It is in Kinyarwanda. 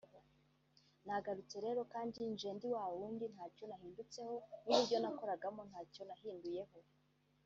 nagarutse rero kandi nje ndi wa wundi ntacyo nahindutseho n’uburyo nakoragamo ntacyo nahinduyeho